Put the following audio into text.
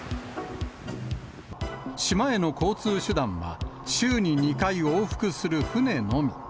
島への交通手段は、週に２回往復する船のみ。